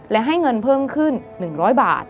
และให้เงินเพิ่มขึ้น๑๐๐บาท